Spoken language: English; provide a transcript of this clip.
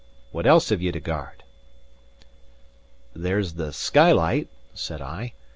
What else have ye to guard?" "There's the skylight," said I.